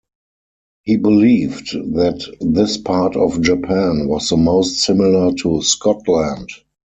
He believed that this part of Japan was the most similar to Scotland.